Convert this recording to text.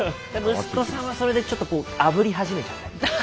息子さんはそれでちょっとこうあぶり始めちゃったり？